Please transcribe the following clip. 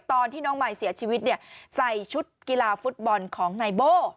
ตอนที่น้องมายเสียชีวิตเนี่ยใส่ชุดกีฬาฟุตบอลของนายโบ้